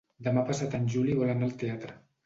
Demà passat en Juli vol anar al teatre.